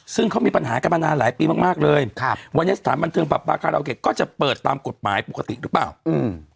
ซึ่งเขามีปัญหากันมานานหลายปีมากมากเลยครับวันนี้สถานบันเทิงผับบาคาราโอเกะก็จะเปิดตามกฎหมายปกติหรือเปล่าอืม